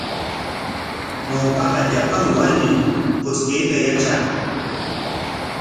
Ñawpaqa llapan warmim puchkayta yatraq.